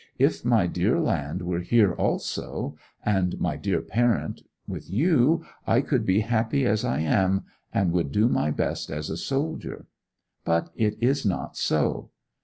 If my dear land were here also, and my old parent, with you, I could be happy as I am, and would do my best as a soldier. But it is not so.